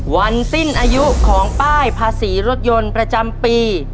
วันสิ้นอายุของป้ายภาษีรถยนต์ประจำปี